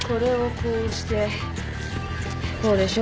こうでしょ。